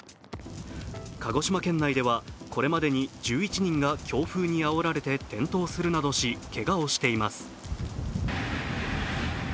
鹿児島県内ではこれまでに１１人が強風にあおられて転倒するなどしけがをしています。